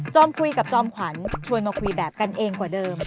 คุยกับจอมขวัญชวนมาคุยแบบกันเองกว่าเดิม